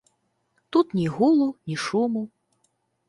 Тут ні гулу, ні шуму.